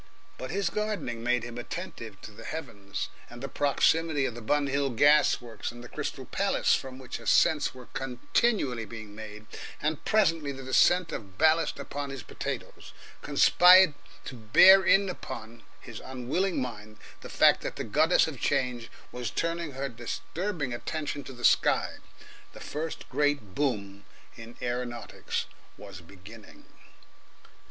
But his gardening made him attentive to the heavens, and the proximity of the Bun Hill gas works and the Crystal Palace, from which ascents were continually being made, and presently the descent of ballast upon his potatoes, conspired to bear in upon his unwilling mind the fact that the Goddess of Change was turning her disturbing attention to the sky. The first great boom in aeronautics was beginning.